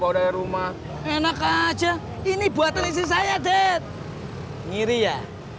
bau darah rumah enak aja ini buatan istri saya dead ngiri ya